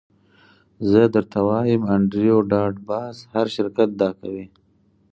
زه درته وایم انډریو ډاټ باس هر شرکت دا کوي